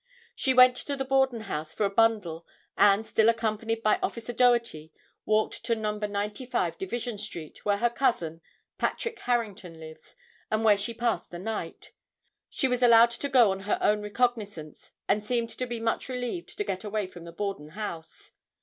She went to the Borden house for a bundle and, still accompanied by Officer Doherty, walked to No. 95 Division street, where her cousin, Patrick Harrington lives, and where she passed the night. She was allowed to go on her own recognizance and seemed to be much relieved to get away from the Borden house.